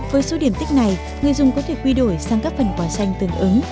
với số điểm tích này người dùng có thể quy đổi sang các phần quả xanh tương ứng